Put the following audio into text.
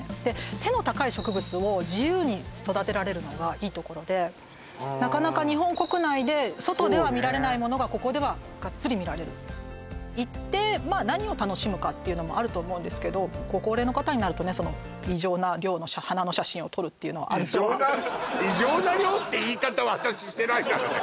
背の高い植物を自由に育てられるのがいいところでなかなか日本国内で外では見られないものがここではがっつり見られる行って何を楽しむかっていうのもあると思うんですけど異常な異常な量って言い方私してないからね